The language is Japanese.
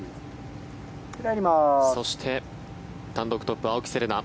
そして、単独トップ青木瀬令奈。